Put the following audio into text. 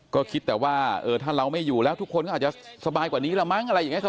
ก็คิดแต่ว่าถ้าเราไม่อยู่แล้วทุกคนก็อาจจะสบายกว่านี้ละมั้งอะไรอย่างนี้